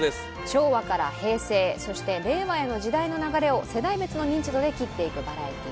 昭和から平成そして令和への時代の流れを世代別の認知度で斬っていくバラエティーです。